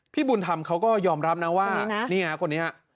บุญธรรมเขาก็ยอมรับนะว่านี่ไงคนนี้ฮะ